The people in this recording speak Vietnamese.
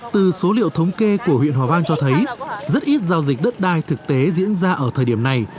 từ số liệu thống kê của huyện hòa vang cho thấy rất ít giao dịch đất đai thực tế diễn ra ở thời điểm này